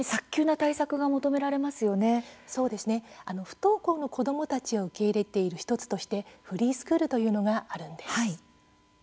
不登校の子どもたちを受け入れている１つとしてフリースクールというのがあるんです。